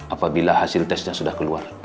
apabila hasil tesnya sudah keluar